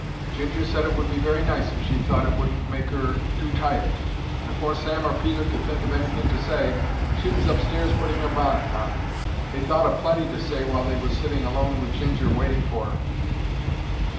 Ginger said it would be very nice if she thought it wouldn't make 'er too tired, and afore Sam or Peter could think of anything to say, she was upstairs putting 'er bonnet on. They thought o' plenty to say while they was sitting alone with Ginger waiting for 'er.